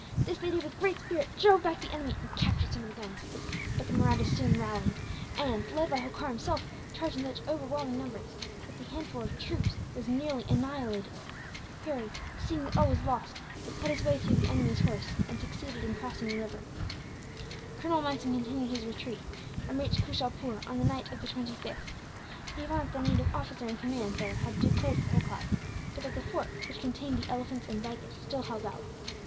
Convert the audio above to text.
This they did with great spirit, drove back the enemy, and captured some of the guns; but the Mahrattas soon rallied and, led by Holkar himself, charged in such overwhelming numbers that the handful of troops was nearly annihilated. Harry, seeing that all was lost, cut his way through the enemy's horse and succeeded in crossing the river. [Illustration: Harry succeeded in crossing the river.] Colonel Monson continued his retreat, and reached Kooshalpur on the night of the 25th. He found that the native officer in command there had declared for Holkar; but that the fort, which contained the elephants and baggage, still held out.